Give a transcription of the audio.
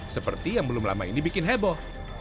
seperti yang belum lama ini bikin heboh